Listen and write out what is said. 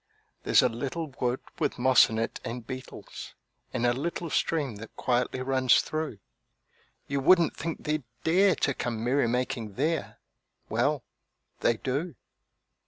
There's a little wood, with moss in it and beetles, And a little stream that quietly runs through; You wouldn't think they'd dare to come merrymaking there Well, they do.